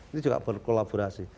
ini juga berkolaborasi